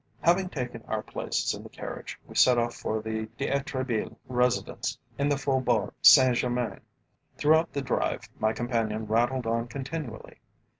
Having taken our places in the carriage, we set off for the D'Etrebilles' residence in the Faubourg St Germain. Throughout the drive my companion rattled on continually.